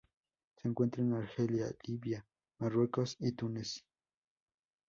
Se encuentra en Argelia, Libia, Marruecos y Túnez.